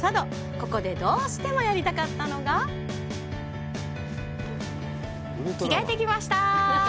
ここでどうしてもやりたかったのが着がえてきました。